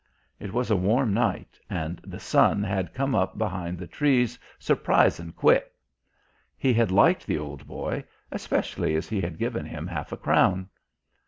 It was a warm night and the sun had come up behind the trees "surprisin' quick." He had liked the old boy, especially as he had given him half a crown.